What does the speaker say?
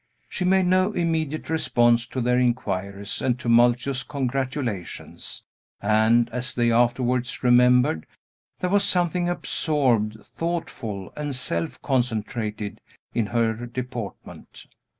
She made no immediate response to their inquiries and tumultuous congratulations; and, as they afterwards remembered, there was something absorbed, thoughtful, and self concentrated in her deportment.